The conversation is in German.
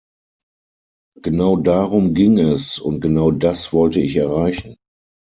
Genau darum ging es, und genau das wollte ich erreichen.